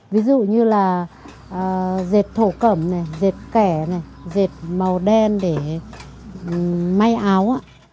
ví dụ như là dệt thổ cẩm này dệt kẻ này dệt màu đen để may áo ạ